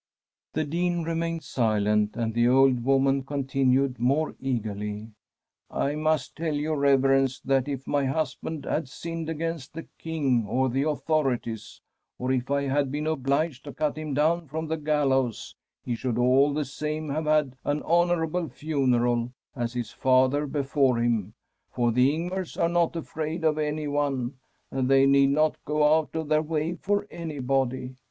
The Dean remained silent, and the old woman continued, more eagerly :' I must tell your Reverence that if my husband had sinned against the King or the authorities, or if I had been obliged to cut him down from the gallows, he should all the same have had an hon ourable funeral, as his father before him, for the Ingmars are not afraid of anyone, and they need not go out of their way for anybody.